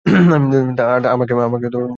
আর আমাকে এখানে মারতে এসেছো তুমি।